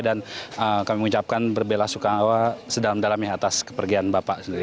dan kami mengucapkan berbela sukawah sedalam dalamnya atas kepergian bapak sendiri